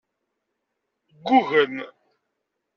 Ggugem.